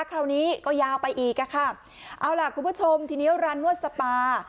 คราวนี้ก็ยาวไปอีกอ่ะค่ะเอาล่ะคุณผู้ชมทีนี้ร้านนวดสปา